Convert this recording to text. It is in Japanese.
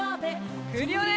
クリオネ！